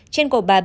trên cổ bà b